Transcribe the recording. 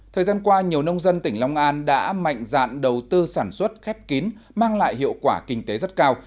thời gian qua nhiều nông dân tỉnh long an đã mạnh dạn đầu tư sản xuất khép kín mang lại hiệu quả kinh tế rất cao